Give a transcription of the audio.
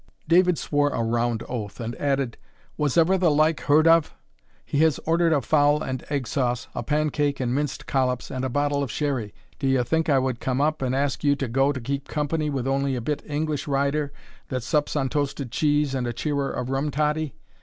David swore a round oath, and added, "Was ever the like heard of? He has ordered a fowl and egg sauce, a pancake and minced collops and a bottle of sherry D'ye think I wad come and ask you to go to keep company with ony bit English rider that sups on toasted cheese, and a cheerer of rum toddy?